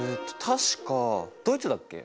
確かドイツだっけ？